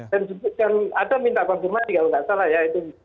dan ada minta konfirmasi kalau nggak salah ya